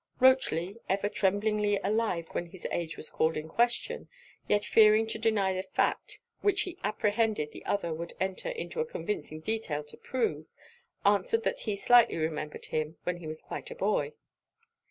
Rochely, ever tremblingly alive when his age was called in question, yet fearing to deny a fact which he apprehended the other would enter into a convincing detail to prove, answered that 'he slightly remembered him when he was quite a boy.'